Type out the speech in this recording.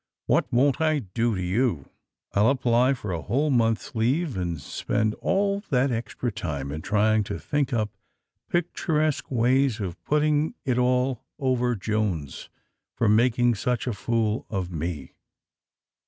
What won't I do to youf I'll apply for a whole month's leave, and spend all that extra time in trying to think up picturesque ways of putting it all over Jones for making such a fool of me